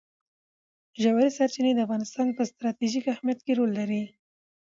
ژورې سرچینې د افغانستان په ستراتیژیک اهمیت کې رول لري.